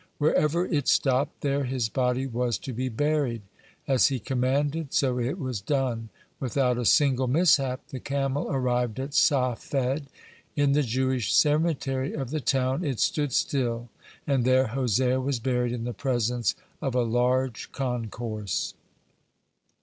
Wherever it stopped, there his body was to be buried. As he commanded, so it was done. Without a single mishap the camel arrived at Safed. In the Jewish cemetery of the town it stood still, and there Hosea was buried in the presence of a large concourse.